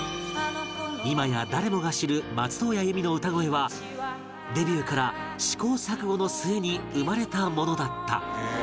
今や誰もが知る松任谷由実の歌声はデビューから試行錯誤の末に生まれたものだった